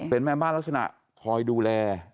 เป็นแม่บ้านลักษณะคอยดูแล